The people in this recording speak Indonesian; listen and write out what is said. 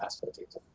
jadi ini masih terlalu